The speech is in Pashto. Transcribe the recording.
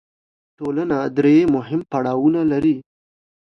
ټولنه درې مهم پړاوونه لري.